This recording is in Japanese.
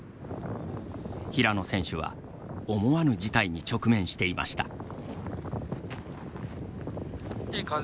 平野選手は、思わぬ事態に直面していました。